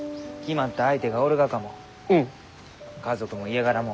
家族も家柄も。